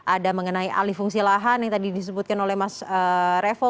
ada mengenai alih fungsi lahan yang tadi disebutkan oleh mas revo